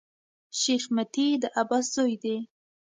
شېخ متي د عباس زوی دﺉ.